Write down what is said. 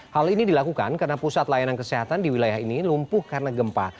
hal ini dilakukan karena pusat layanan kesehatan di wilayah ini lumpuh karena gempa